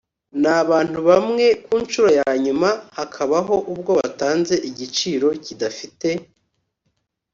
n abantu bamwe ku nshuro ya nyuma hakabaho ubwo batanze igiciro kidafite